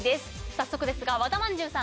早速ですが和田まんじゅうさん